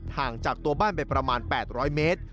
ห่างจากตัวบ้านไปประมาณ๘๐๐เมตร